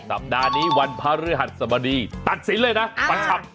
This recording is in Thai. สัปดาห์นี้วันภรรยหัสสมดีตัดสินเลยนะปัดชับ